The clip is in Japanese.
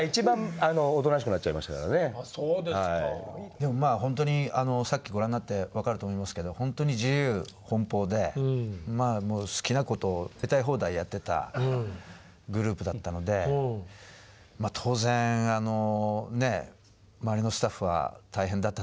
でもまあほんとにさっきご覧になって分かると思いますけどほんとに自由奔放で好きなことをやりたい放題やってたグループだったので当然周りのスタッフは大変だったと思うし。